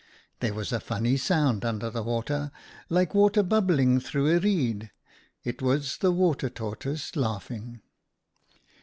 " There was a funny sound under the water, like water bubbling through a reed. It was the Water Tortoise laughing.